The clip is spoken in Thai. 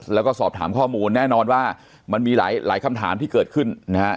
แล้วก็สอบถามข้อมูลแน่นอนว่ามันมีหลายคำถามที่เกิดขึ้นนะฮะ